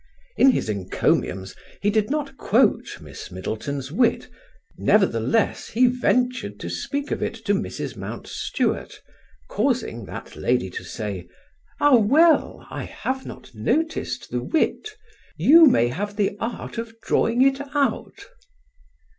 In his encomiums he did not quote Miss Middleton's wit; nevertheless, he ventured to speak of it to Mrs. Mountstuart, causing that lady to say: "Ah, well, I have not noticed the wit. You may have the art of drawing it out."